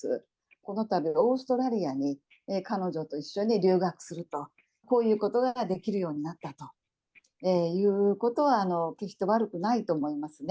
このたびオーストラリアに彼女と一緒に留学すると、こういうことができるようになったということは、決して悪くないと思いますね。